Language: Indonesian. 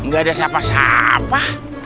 gak ada siapa siapa